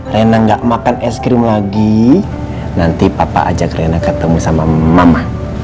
rena gak makan es krim lagi nanti papa ajak rena ketemu sama mama